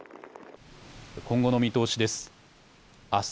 今後の見通しです。